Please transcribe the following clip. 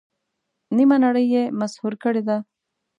نیمه نړۍ یې مسحور کړې ده.